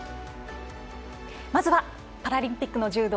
まずはパラリンピックの柔道